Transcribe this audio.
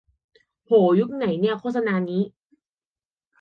โห ยุคไหนเนี่ย โฆษณานี้